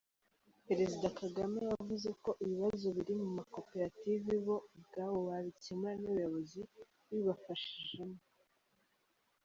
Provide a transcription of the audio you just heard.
Perezida Kagame yavuze ko ibibazo biri mu makoperative bo ubwabo babikemura, n’ubuyobozi bubibafashijemo.